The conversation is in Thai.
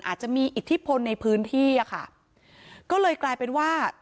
อาจจะมีอิทธิพลในพื้นที่อะค่ะก็เลยกลายเป็นว่า